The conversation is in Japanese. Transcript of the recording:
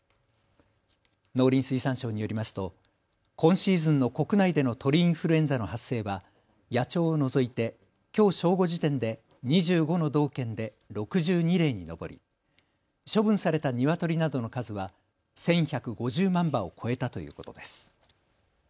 農林水産省によりますと今シーズンの国内での鳥インフルエンザの発生は野鳥を除いてきょう正午時点で２５の道県で６２例に上り処分されたニワトリなどの数は１１５０万羽を超えたということです。